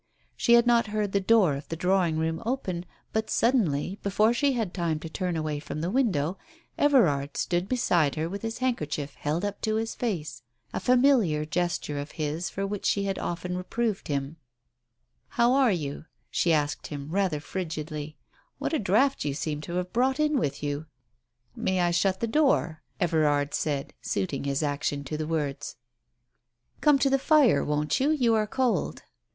She had not heard the door of the drawing room open, but suddenly, before she had time to turn away from the window, Everard stood beside her with his handkerchief held up to his face, a familiar gesture of his for which she had often reproved him. "How are you?" she asked him, rather frigidly. "What a draught you seem to have brought in with you !" "May I shut the door?" Everard said, suiting his action to the words. Digitized by Google 18 TALES OF THE UNEASY "Come to the fire, won't you ? You are cold."